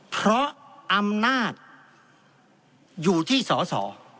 เพราะอำนาจอยู่ที่สอสอ